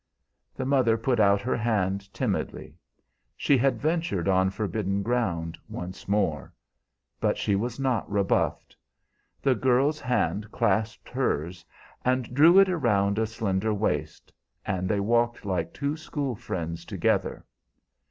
The mother put out her hand timidly. She had ventured on forbidden ground once more. But she was not rebuffed. The girl's hand clasped hers and drew it around a slender waist, and they walked like two school friends together.